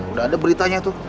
udah ada beritanya tuh